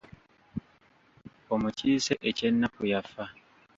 Omukiise eky'ennaku yafa.